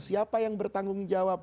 siapa yang bertanggung jawab